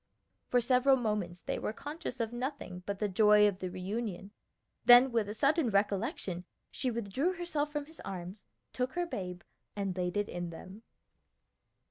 For several moments they were conscious of nothing but the joy of the reunion; then with a sudden recollection she withdrew herself from his arms, took her babe, and laid it in them.